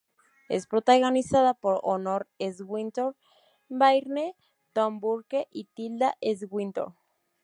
Es protagonizada por Honor Swinton Byrne, Tom Burke y Tilda Swinton.